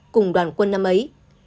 cùng đoàn quân năm ấy